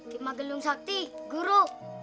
si magelung sakti guru